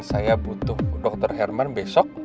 saya butuh dokter herman besok